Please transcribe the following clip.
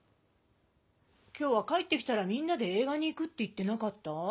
今日は帰ってきたらみんなでえい画に行くって言ってなかった？